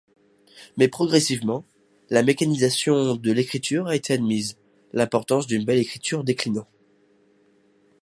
Mais progressivement, la mécanisation de l'écriture a été admise, l'importance d'une belle écriture déclinant.